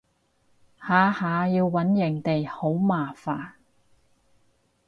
下下要搵營地好麻煩